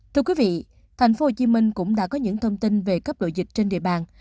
thưa quý vị tp hcm cũng đã có những thông tin về cấp độ dịch trên địa bàn